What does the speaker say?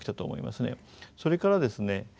それからですね